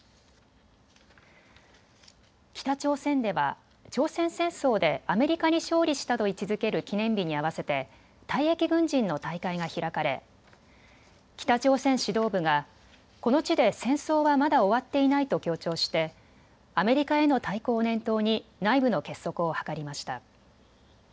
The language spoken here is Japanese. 北朝鮮では朝鮮戦争でアメリカに勝利したと位置づける記念日に合わせて退役軍人の大会が開かれ北朝鮮指導部がこの地で戦争はまだ終わっていないと強調してアメリカへの対抗を念頭に内部の結束を図りました。